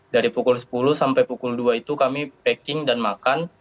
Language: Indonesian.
dari pukul sepuluh sampai pukul dua itu kami packing dan makan